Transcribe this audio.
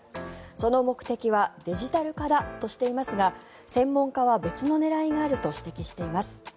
その目的はデジタル化だとしていますが専門家は別の狙いがあると指摘しています。